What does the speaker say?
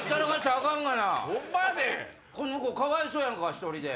この子かわいそうやんか１人で。